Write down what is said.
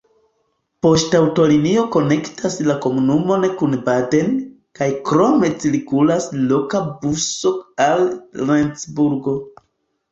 Poŝtaŭtolinio konektas la komunumon kun Baden, kaj krome cirkulas loka buso al Lencburgo.